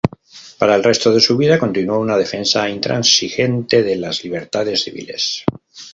Para el resto de su vida continuó una defensa intransigente de las libertades civiles.